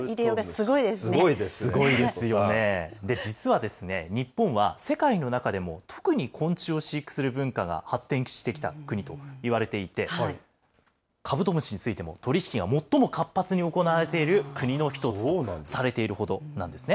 すごいですよね、で、実はですね、日本は世界の中でも、特に昆虫を飼育する文化が発展してきた国といわれていて、カブトムシについても取り引きが最も活発に行われている国の１つとされているほどなんですね。